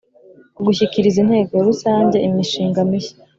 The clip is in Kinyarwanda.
Gushyikiriza Inteko Rusange imishinga mishya